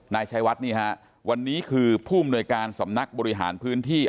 นายชัยวัดนี่ฮะวันนี้คือผู้อำนวยการสำนักบริหารพื้นที่